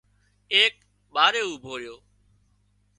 ايڪ ٻارئي اوڀو ريو